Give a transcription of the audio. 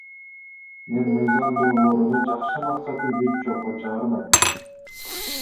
Мен мыйзам долбоорунун жакшы максатын эч жокко чыгарбайм.